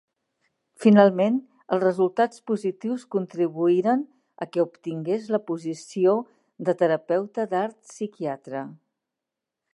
Finalment els resultats positius contribuïren a que obtingués la posició de terapeuta d'art psiquiatre.